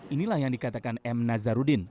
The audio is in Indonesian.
inilah yang dikatakan m nazarudin